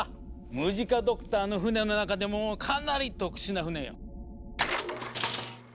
ムジカ・ドクターの船の中でもかなり特殊な船よ。